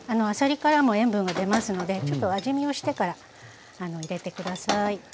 あさりからも塩分が出ますのでちょっと味見をしてから入れて下さい。